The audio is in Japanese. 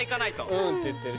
「うん」って言ってる。